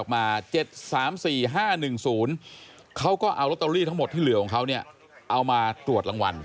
มา๗๓๔๕๑๐เขาก็เอาลอตเตอรี่ทั้งหมดที่เหลือของเขาเนี่ยเอามาตรวจรางวัล